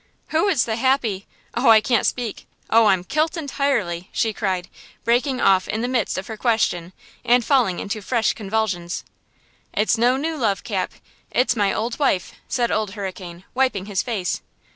"Who is the happy–Oh, I can't speak! Oh, I'm 'kilt' entirely!" she cried, breaking off in the midst of her question and falling into fresh convulsions. "It's no new love, Cap; it's my old wife!" said Old Hurricane, wiping his face.